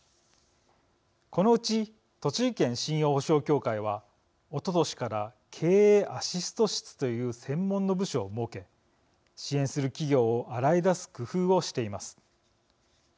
このうち栃木県信用保証協会はおととしから経営アシスト室という専門の部署を設け支援する企業を洗いだす工夫をしています。